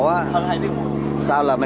hơn hai tiếng hôm hồ